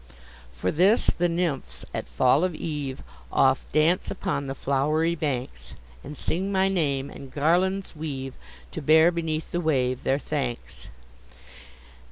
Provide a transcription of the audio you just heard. For this the nymphs, at fall of eave, Oft dance upon the flow'ry banks, And sing my name, and garlands weave To bear beneath the wave their thanks.